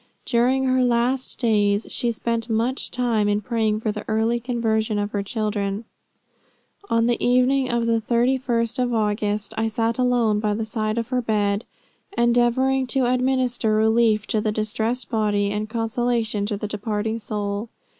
During her last days she spent much time in praying for the early conversion of her children. "On the evening of the 31st of August, ... I sat alone by the side of her bed, endeavoring to administer relief to the distressed body, and consolation to the departing soul.